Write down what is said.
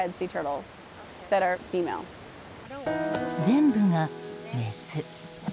全部がメス。